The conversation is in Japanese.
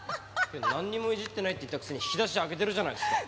なんにもいじってないって言ったくせに引き出し開けてるじゃないですか。